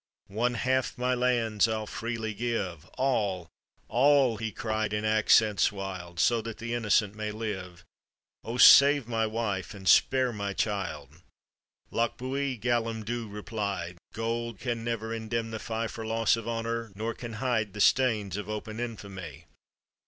"One half my lands I'll freely give. All ! all !" he cried, in accents wild, "So that the innocent may live. Oh! save my wife, and spare my child." "Lochbuie!" Callum Dhu replied, "Gold can never indemnify For loss of honor, nor can hide The stains of open infamy.